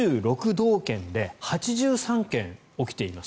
道県で８３件起きています。